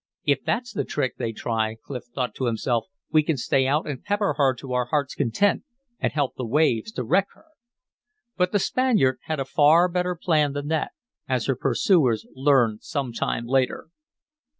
"If that's the trick they try," Clif thought to himself, "we can stay out and pepper her to our heart's content and help the waves to wreck her." But the Spaniard had a far better plan than that, as her pursuers learned some time later.